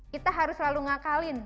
kita harus selalu ngakalin